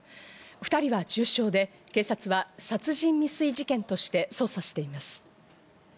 ２人は重傷で警察は殺人未遂事件として捜査しています。